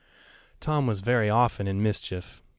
Tom was very often in mischief.